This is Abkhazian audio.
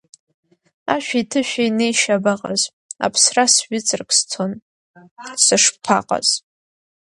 Ашәи-ҭышәи неишьа абаҟаз, аԥсра сҩыҵрак сцон, сышԥаҟаз.